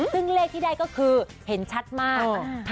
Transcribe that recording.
ซึ่งเลขที่ได้ก็คือเห็นชัดมาก